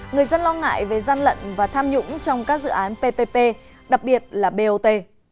người dân lo ngại về gian lận và tham nhũng trong các dự án ppp đặc biệt là bot